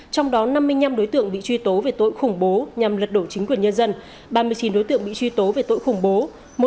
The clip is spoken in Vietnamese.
trong đó năm mươi năm đối tượng bị truy tố về tội khủng bố nhằm lật đổ chính quyền nhân dân ba mươi chín đối tượng bị truy tố về tội khủng bố